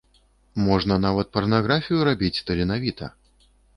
Можна нават парнаграфію рабіць таленавіта.